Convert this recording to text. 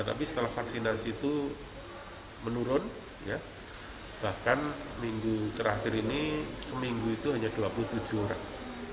tapi setelah vaksinasi itu menurun bahkan minggu terakhir ini seminggu itu hanya dua puluh tujuh orang